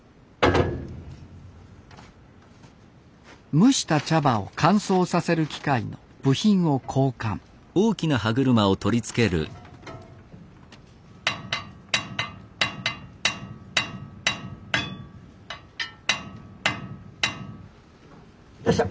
蒸した茶葉を乾燥させる機械の部品を交換よっしゃ！